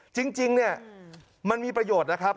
จริงเนี่ยมันมีประโยชน์นะครับ